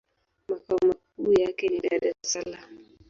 Makao makuu yake ni Dar-es-Salaam.